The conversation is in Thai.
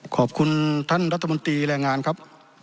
ขอบคุณท่านรัฐมนตรีแรงงานครับ